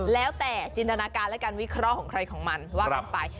แล้วแต่จินตนาการและการวิเคราะห์ของใครของมันว่ากันไป